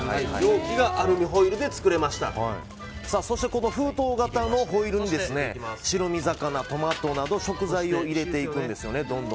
この封筒型のホイルに白身魚、トマトなど食材を入れていくんですね。